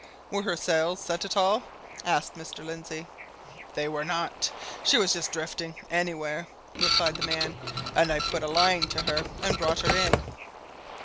"Were her sails set at all?" asked Mr. Lindsey. "They were not. She was just drifting anywhere," replied the man. "And I put a line to her and brought her in."